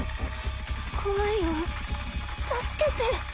怖いよ助けて